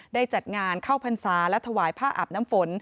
จัดงานเข้าพรรษาและถวายผ้าอาบน้ำฝน